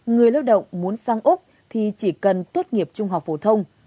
người lao động muốn sang úc thì chỉ cần tốt nghiệp trung học phổ thông